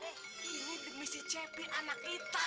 ini keperluan cepi apa babenya